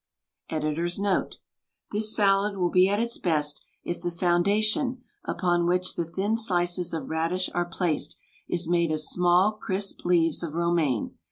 Editor's Note :— This salad will be at its best if the founda tion, upon which the thin slices of radish are placed, is made of small crisp leaves of romaine.